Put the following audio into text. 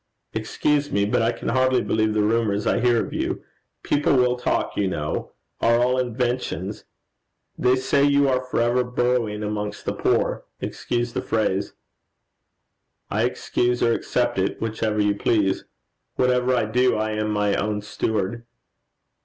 'Excuse me, but I can hardly believe the rumours I hear of you people will talk, you know are all inventions. They say you are for ever burrowing amongst the poor. Excuse the phrase.' 'I excuse or accept it, whichever you please. Whatever I do, I am my own steward.'